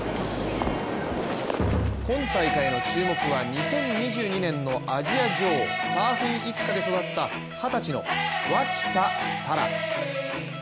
今大会の注目は２０２２年のアジア女王、サーフィン一家で育った二十歳の脇田紗良。